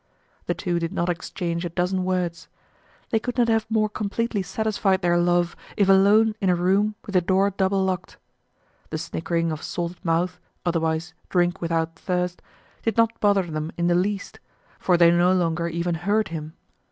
The two did not exchange a dozen words. They could not have more completely satisfied their love if alone in a room with the door double locked. The snickering of Salted Mouth, otherwise Drink without Thirst, did not bother them in the least, for they no longer even heard him.